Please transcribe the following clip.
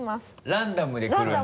ランダムで来るんだ。